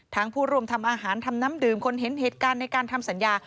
ผู้ร่วมทำอาหารทำน้ำดื่มคนเห็นเหตุการณ์ในการทำสัญญา